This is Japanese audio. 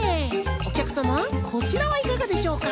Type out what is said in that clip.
おきゃくさまこちらはいかがでしょうか？